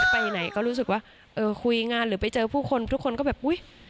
ไปไหนก็รู้สึกว่าเออคุยงานหรือไปเจอผู้คนทุกคนก็แบบอุ๊ย